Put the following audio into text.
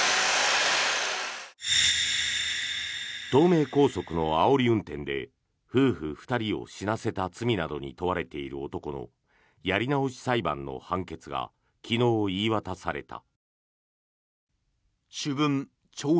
東名高速のあおり運転で夫婦２人を死なせた罪などに問われている男のやり直し裁判の判決が昨日、言い渡された。